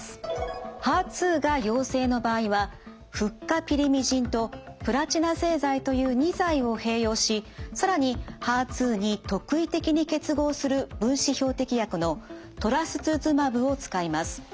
ＨＥＲ２が陽性の場合はフッ化ピリミジンとプラチナ製剤という２剤を併用し更にＨＥＲ２に特異的に結合する分子標的薬のトラスツズマブを使います。